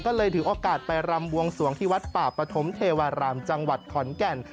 ก็เลยถือโอกาสไปรำบวงสวงที่วัดป่าปฐมเทวารามจังหวัดขอนแก่น